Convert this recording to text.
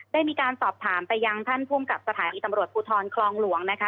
ได้มีการสอบถามไปยังท่านภูมิกับสถานีตำรวจภูทรคลองหลวงนะคะ